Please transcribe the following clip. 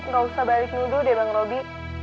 gak usah balik nuduh deh bang robi